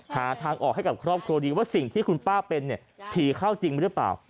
หาทางออกให้กับครอบครัวดีว่าสิ่งที่คุณป้าเป็นเนี่ยผีเข้าจริงหรือเปล่า